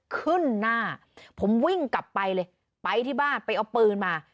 ขึ้นหน้าผมวิ่งกลับไปเลยไปที่บ้านไปเอาปืนมา